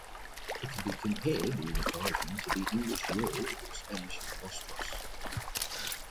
It can be compared, in its origin, to the English "y'all" or Spanish "vosotros".